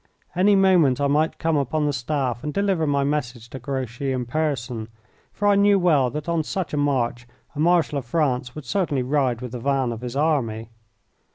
Any moment I might come upon the staff and deliver my message to Grouchy in person, for I knew well that on such a march a Marshal of France would certainly ride with the van of his army.